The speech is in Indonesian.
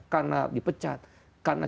karena dipecat karena